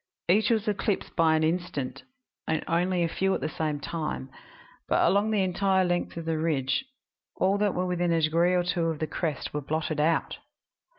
Each was eclipsed but an instant, and only a few at the same time, but along the entire length of the ridge all that were within a degree or two of the crest were blotted out.